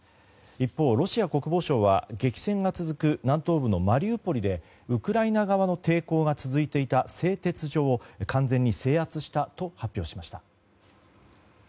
一方、ロシア国防省は激戦が続く南東部のマリウポリでウクライナ側の抵抗が続いていた製鉄所を完全に制圧したと発表しました。